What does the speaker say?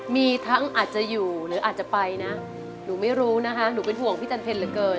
มีทั้งอาจจะอยู่หรืออาจจะไปนะหนูไม่รู้นะคะหนูเป็นห่วงพี่จันเพ็ญเหลือเกิน